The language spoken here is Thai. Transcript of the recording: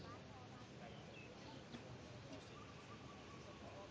สวัสดีครับ